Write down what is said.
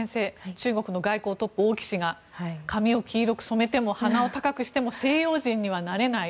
中国の外交トップの王毅氏が髪を黄色くしても鼻を高くしても西洋人にはなれない。